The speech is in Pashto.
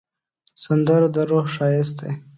سندره د روح ښایست دی